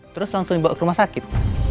terus langsung dibawa ke rumah sakit